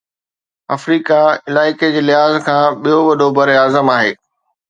Africa علائقي جي لحاظ کان ٻيو وڏو براعظم آهي